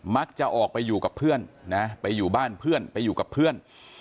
มักจะออกไปอยู่กับเพื่อนนะไปอยู่บ้านเพื่อนไปอยู่กับเพื่อน